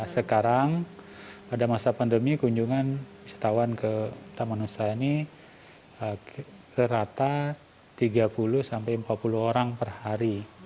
sekarang pada masa pandemi kunjungan wisatawan ke taman nusa ini rata tiga puluh sampai empat puluh orang per hari